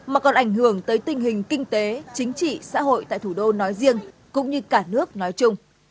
mà còn ảnh hưởng tới tình hình kinh tế chính trị xã hội tại thủ đô nói riêng cũng như cả nước nói chung